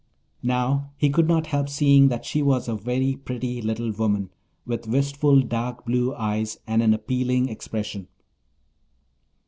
Now he could not help seeing that she was a very pretty little woman, with wistful, dark blue eyes and an appealing expression.